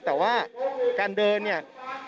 แต่ว่าการเดินเนี่ย